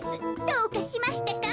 どうかしましたか？